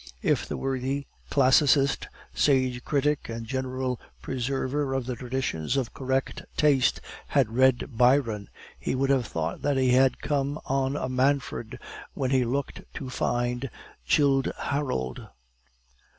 If the worthy classicist, sage critic, and general preserver of the traditions of correct taste had read Byron, he would have thought that he had come on a Manfred when he looked to find Childe Harold.